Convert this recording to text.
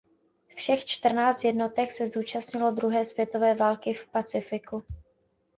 Všech čtrnáct jednotek se zúčastnilo druhé světové války v Pacifiku.